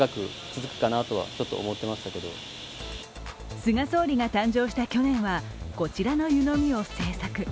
菅総理が誕生した去年はこちらの湯飲みを製作。